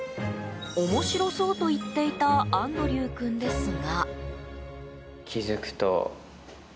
面白そうと言っていたアンドリュウ君ですが。